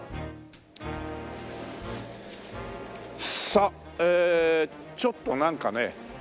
さあええちょっとなんかね